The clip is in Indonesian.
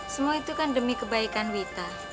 semua itu kan demi kebaikan wita